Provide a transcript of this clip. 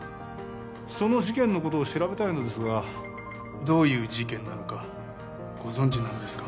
その事件のことを調べたいのですがどういう事件なのかご存じなのですか？